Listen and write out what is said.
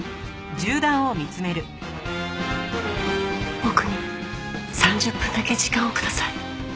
僕に３０分だけ時間をください。